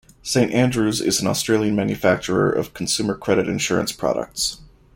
Saint Andrew's is an Australian manufacturer of consumer credit insurance products.